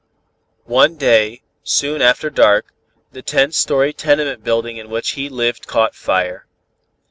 "One day, soon after dark, the ten story tenement building in which he lived caught fire.